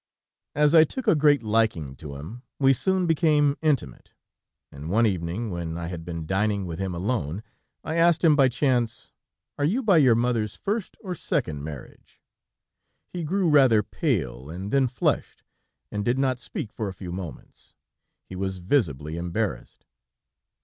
As I took a great liking to him, we soon became intimate, and one evening, when I had been dining with him alone, I asked him by chance: "Are you by your mother's first or second marriage?" He grew rather pale, and then flushed, and did not speak for a few moments; he was visibly embarrassed.